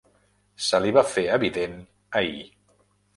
Se li va fer evident ahir.